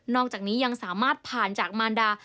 อกจากนี้ยังสามารถผ่านจากมารดา